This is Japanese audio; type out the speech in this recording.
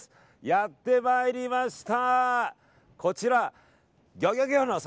やってまいりました！